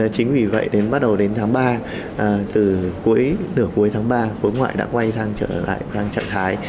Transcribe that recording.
chính vì vậy đến bắt đầu đến tháng ba từ cuối nửa cuối tháng ba khối ngoại đã quay sang trở lại sang trạng thái